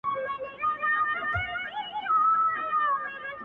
ته پاچا هغه فقیر دی بې نښانه،